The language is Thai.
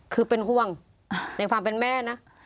คือเป็นห่วงในความเป็นแม่นะ